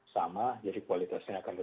sama jadi kualitasnya akan